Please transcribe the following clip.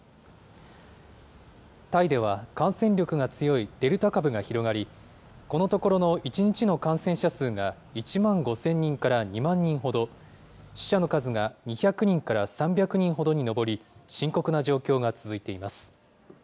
タイでは感染力が強いデルタ株が広がり、このところの１日の感染者数が１万５０００人から２万人ほど、死者の数が２００人から３００人ほどに上り、深刻な状況が続いています。